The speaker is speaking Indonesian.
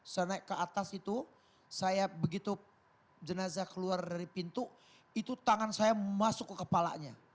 saya naik ke atas itu saya begitu jenazah keluar dari pintu itu tangan saya masuk ke kepalanya